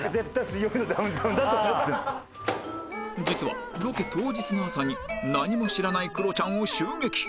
実はロケ当日の朝に何も知らないクロちゃんを襲撃